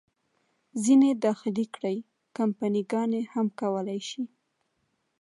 ځینې داخلي کړۍ، کمپني ګانې هم کولای شي.